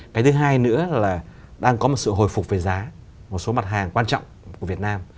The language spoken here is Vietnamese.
cái thứ hai nữa là đang có một sự hồi phục về giá một số mặt hàng quan trọng của việt nam